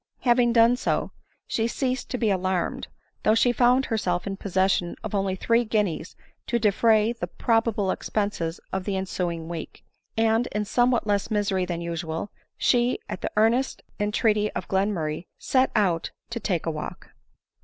Having done so, she ceased to be alarmed, though she found herself in possession of only three guineas to de* fray the probable expenses of the ensuing week ; and, in somewhat less misery than usual, she, at the earnest pn* treaty of Glenmurray, set out to take a walk.